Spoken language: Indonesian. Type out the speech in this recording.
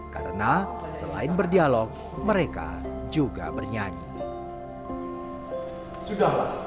karena selain berdialog mereka juga bisa berdialog